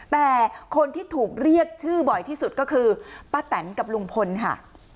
แต่คนที่ถูกเรียกชื่อบ่อยที่สุดก็คือป้าแตนกับลุงพลค่ะ